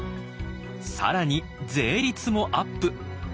更に税率もアップ。